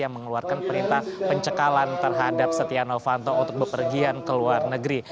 yang mengeluarkan perintah pencekalan terhadap setia novanto untuk bepergian ke luar negeri